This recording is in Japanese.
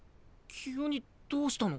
急にどうしたの？